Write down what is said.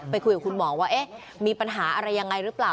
ไปคุยกับคุณหมองว่าเอ๊ะมีปัญหาอะไรยังไงรึเปล่า